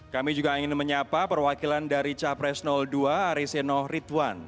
kami juga ingin menyapa perwakilan dari capres dua ariseno ridwan